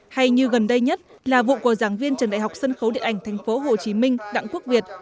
hay như gần đây nhất là vụ của giảng viên trường đại học sân khấu điện ảnh tp hcm đặng quốc việt